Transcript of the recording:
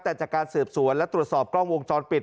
แต่จากการสืบสวนและตรวจสอบกล้องวงจรปิด